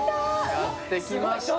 やってきました。